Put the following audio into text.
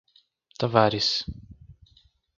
Tavares